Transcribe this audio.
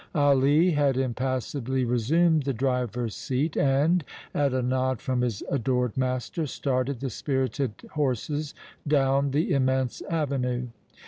Ali had impassibly resumed the driver's seat and, at a nod from his adored master, started the spirited horses down the immense avenue.